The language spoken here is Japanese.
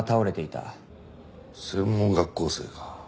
専門学校生か。